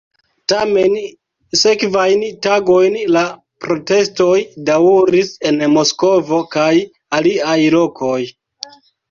Tamen sekvajn tagojn la protestoj daŭris en Moskvo kaj aliaj lokoj.